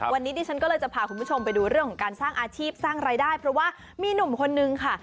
วันนี้ดิฉันก็เลยจะพาคุณผู้ชมไปดูเรื่องของการสร้างอาชีพสร้างรายได้เพราะว่ามีหนุ่มคนนึงค่ะ